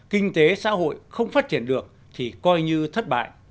kinh tế xã hội không phát triển được thì coi như thất bại